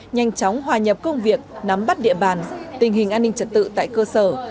nhanh chóng hòa nhập công việc nắm bắt địa bàn tình hình an ninh trật tự tại cơ sở